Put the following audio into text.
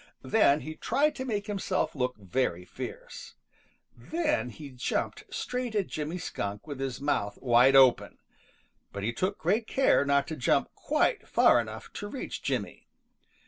Then he tried to make himself look very fierce. Then he jumped straight at Jimmy Skunk with his mouth wide open, but he took great care not to jump quite far enough to reach Jimmy.